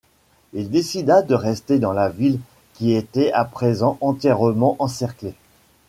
Il décida de rester dans la ville qui était à présent entièrement encerclée.